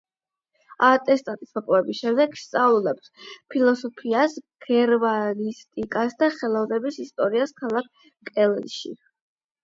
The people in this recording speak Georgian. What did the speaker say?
ატესტატის მოპოვების შემდეგ სწავლობდა ფილოსოფიას, გერმანისტიკას და ხელოვნების ისტორიას ქალაქ კელნში.